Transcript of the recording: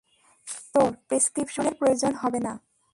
তোর প্রেসক্রিপশনের প্রয়োজন হবে না।